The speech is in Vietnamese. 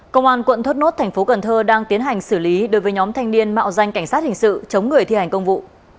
công an quận thốt nốt tp cn đang tiến hành xử lý đối với nhóm thanh niên mạo danh cảnh sát hình sự chống người thi hành công vụ